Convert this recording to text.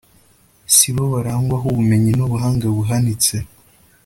si bo barangwaho ubumenyi n'ubuhanga buhanitse